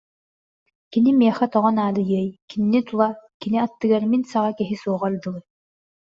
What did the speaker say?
Кини миэхэ тоҕо наадыйыай, кинини тула, кини аттыгар мин саҕа киһи суоҕар дылы